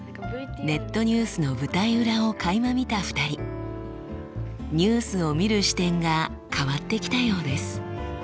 ネットニュースの舞台裏をかいま見た２人ニュースを見る視点が変わってきたようです。